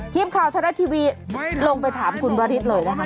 ทีมข่าวไทยรัฐทีวีลงไปถามคุณวริสเลยนะคะ